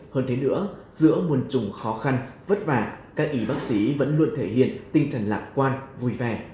hơn thế nữa giữa muôn trùng khó khăn vất vả các y bác sĩ vẫn luôn thể hiện tinh thần lạc quan vui vẻ